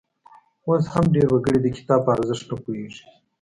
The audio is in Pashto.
اوس هم ډېر وګړي د کتاب په ارزښت نه پوهیږي.